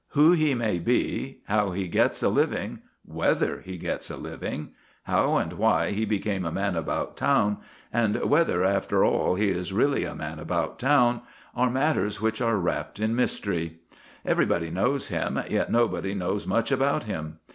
Who he may be, how he gets a living, whether he gets a living, how and why he became a man about town, and whether, after all, he is really a man about town, are matters which are wrapt in mystery. Everybody knows him, yet nobody knows much about him.